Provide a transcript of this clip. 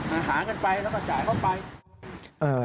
หากันไปแล้วก็จ่ายเข้าไป